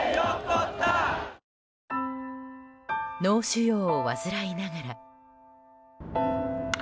脳腫瘍を患いながら。